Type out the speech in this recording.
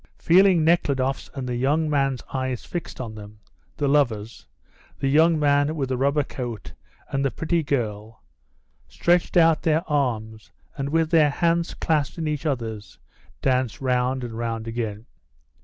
Feeling Nekhludoff's and the young man's eyes fixed on them, the lovers the young man with the rubber coat and the pretty girl stretched out their arms, and with their hands clasped in each other's, danced round and round again.